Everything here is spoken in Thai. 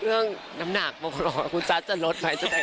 เรื่องน้ำหนักคุณชัดจะลดไหม